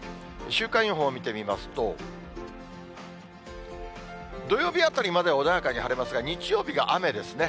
週間予報見てみますと、土曜日あたりまで穏やかに晴れますが、日曜日が雨ですね。